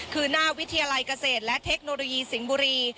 คือหน้าวิทยาลัยเกษตรและเทคโนโลยีสิงห์บุรี